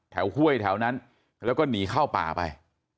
ห้วยแถวนั้นแล้วก็หนีเข้าป่าไป